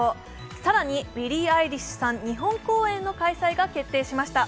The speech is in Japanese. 更にビリー・アイリッシュさん日本公演の開催が決定しました。